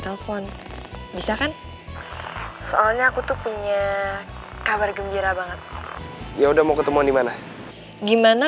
telepon bisa kan soalnya aku tuh punya kabar gembira banget ya udah mau ketemu dimana gimana